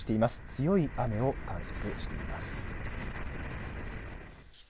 強い雨を観測しています。